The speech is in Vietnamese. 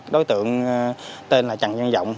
đối tượng tên là trần văn vọng